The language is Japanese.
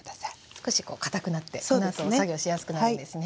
少しかたくなってこのあとも作業しやすくなるんですね。